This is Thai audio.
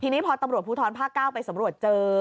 ทีนี้พอตำรวจภูทรภาค๙ไปสำรวจเจอ